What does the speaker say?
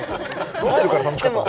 飲んでるから楽しかった。